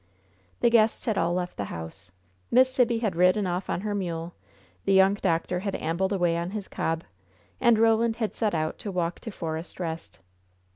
The guests had all left the house. Miss Sibby had ridden off on her mule; the young doctor had ambled away on his cob, and Roland had set out to walk to Forest Rest.